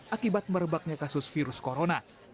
akibat merebaknya kasus virus corona